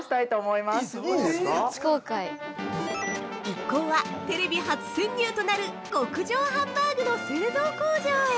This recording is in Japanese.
◆一行は、テレビ初潜入となる「極上ハンバーグ」の製造工場へ。